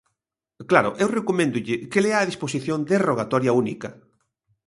Claro, eu recoméndolle que lea a disposición derrogatoria única.